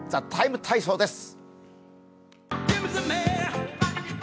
「ＴＨＥＴＩＭＥ，体操」です。